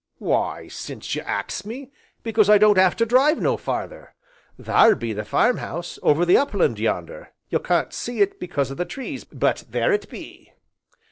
"Why, since you ax me because I don't have to drive no farther. There be the farm house, over the up land yonder, you can't see it because o' the trees, but there it be."